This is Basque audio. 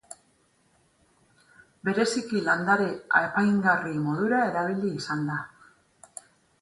Bereziki landare apaingarri modura erabili izan da.